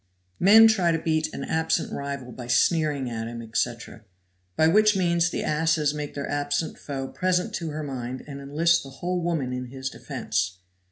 Men try to beat an absent rival by sneering at him, etc. By which means the asses make their absent foe present to her mind and enlist the whole woman in his defense.